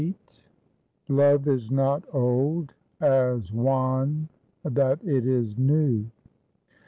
LOVE IS NOT OLD, AS WHAN THAT IT IS NEW.'